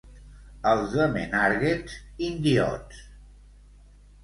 Els de Menàrguens, indiots.